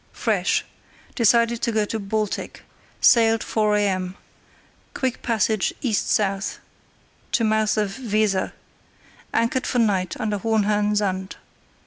fresh. Decided to go to Baltic. Sailed 4 a.m. Quick passage E. 1/2 S. to mouth of Weser. Anchored for night under Hohenhörn Sand.